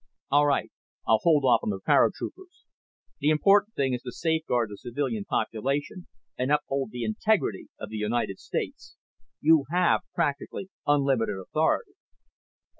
All right I'll hold off on the paratroopers. The important thing is to safeguard the civilian population and uphold the integrity of the United States. You have practically unlimited authority."